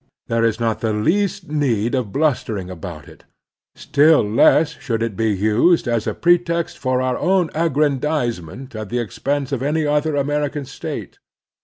There is not the least need of blustering about it. Still less should it be used as a pretext for our own aggrandizement at the expense of any other American state.